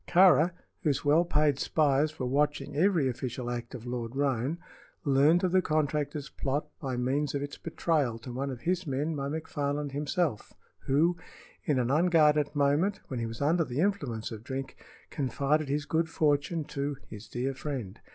Kāra, whose well paid spies were watching every official act of Lord Roane, learned of the contractor's plot by means of its betrayal to one of his men by McFarland himself, who, in an unguarded moment, when he was under the influence of drink, confided his good fortune to "his dear friend."